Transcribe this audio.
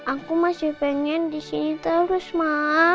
aku masih pengen disini terus ma